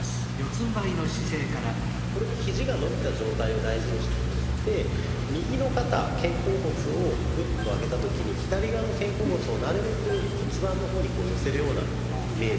これもひじが伸びた状態を大事にして頂いて右の肩肩甲骨をグッと上げた時に左側の肩甲骨をなるべく骨盤の方に寄せるようなイメージ